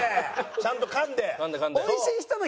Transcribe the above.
ちゃんと噛んで！